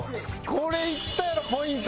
これいったやろポイント！